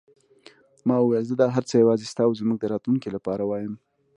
ما وویل: زه دا هر څه یوازې ستا او زموږ د راتلونکې لپاره وایم.